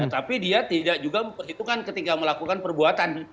tapi dia tidak juga itu kan ketika melakukan perbuatan